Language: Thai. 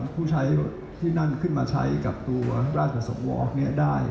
ผู้ใช้ที่นั่นขึ้นมาใช้กับตัวราชสวรได้